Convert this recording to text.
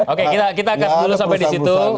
oke kita akan dulu sampai disitu